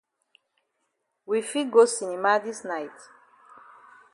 We fit go cinema dis night?